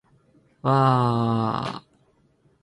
わあーーーーーーーーーー